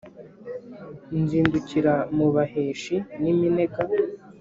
nzindukira mu baheshi n’iminega,